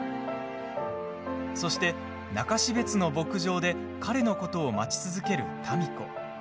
そして中標津の牧場で彼のことを待ち続ける民子。